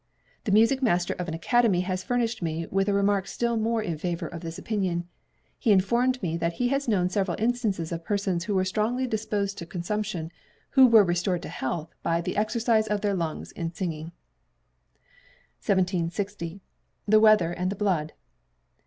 The music master of an academy has furnished me with a remark still more in favour of this opinion. He informed me that he had known several instances of persons who were strongly disposed to consumption, who were restored to health by the exercise of their lungs in singing." 1760. The Weather and the Blood.